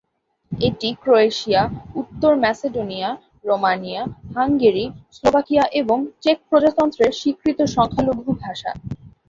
এটি ক্রোয়েশিয়া, উত্তর Macedonia, Romania, Hungary, Slovakia এবং চেক প্রজাতন্ত্রের স্বীকৃত সংখ্যালঘু ভাষা।